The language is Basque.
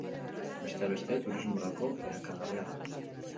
Besteak beste, turismorako erakargarria da.